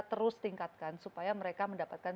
terus tingkatkan supaya mereka mendapatkan